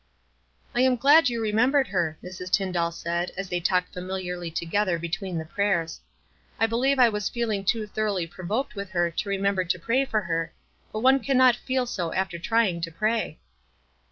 270 WISE AND OTHERWISE. w Iam glad you remembered her," Mrs. Tyn dall said, as they talked familiarly together be tween the* prayers. "I believe I was feeling too thoroughly provoked with her to remember to pray for her, but one cannot feel so after try ing to pray."